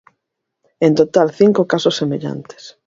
En total cinco casos semellantes.